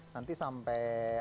nanti sampai apa namanya